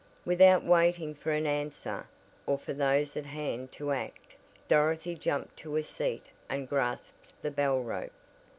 Without waiting for an answer, or for those at hand to act, Dorothy jumped to a seat and grasped the bell rope.